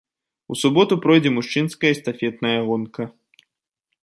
У суботу пройдзе мужчынская эстафетная гонка.